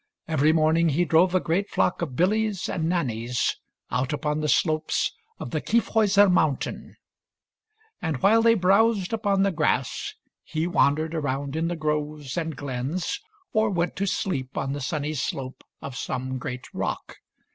Every morning he drove a great flock of Billies and Nannies out upon the slopes of the Kyff hauser Mountain; and while they browsed upon the grass, he wandered around in the groves and glens or went to sleep on the sunny slope of some great rock.